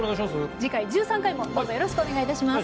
次回１３回もどうぞよろしくお願いいたします。